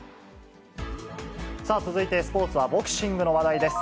続いてスポーツはボクシングの話題です。